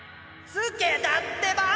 「つけ」だってば。